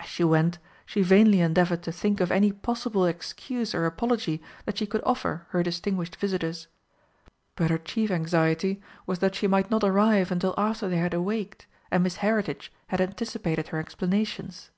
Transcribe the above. As she went she vainly endeavoured to think of any possible excuse or apology that she could offer her distinguished visitors, but her chief anxiety was that she might not arrive until after they had awaked, and Miss Heritage had anticipated her explanations.